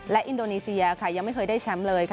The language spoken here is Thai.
และอินโดนีเซียค่ะยังไม่เคยได้แชมป์เลยค่ะ